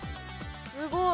すごい！